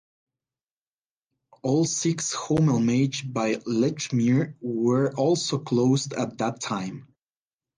All six HomeImage by Lechmere were also closed at that time.